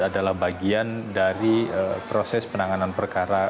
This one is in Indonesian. adalah bagian dari proses penanganan perkara